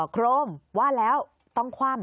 โครมว่าแล้วต้องคว่ำ